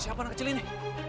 siapa anak kecil ini